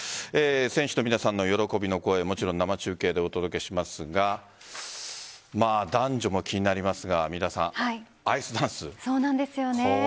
選手の皆さま、喜びの声生中継でお届けしますが男女も気になりますがアイスダンス。